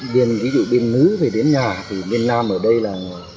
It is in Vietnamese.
biên ví dụ bên nữ về đến nhà thì bên nam ở đây là